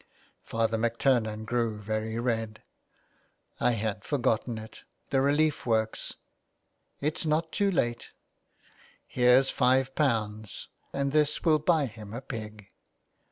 Father MacTurnan grew very red ... "I had forgotten it. The relief works "" It's not too late. Here's five pounds, and this will buy him a pig."